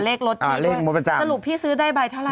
อ๋อเลขลดนี้ด้วยสรุปพี่ซื้อได้ใบเท่าไร